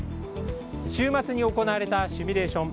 週末に行われたシミュレーション。